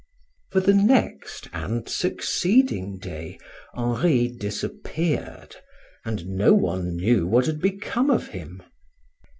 For the next and succeeding day Henri disappeared and no one knew what had become of him.